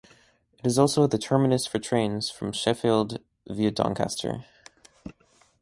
It is also the terminus for trains from Sheffield, via Doncaster.